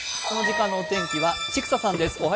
この時間のお天気は千種さんです。